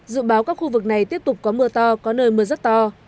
dự báo các khu vực này tiếp tục có mưa to có nơi mưa rất to